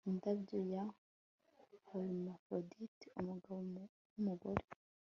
Indabyo ya Hermaphrodite umugabo numugore